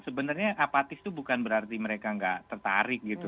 sebenarnya apatis itu bukan berarti mereka nggak tertarik gitu